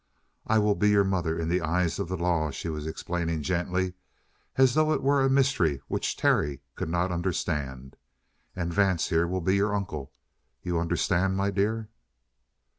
"I will be your mother, in the eyes of the law," she was explaining gently, as though it were a mystery which Terry could not understand. "And Vance, here, will be your uncle. You understand, my dear?"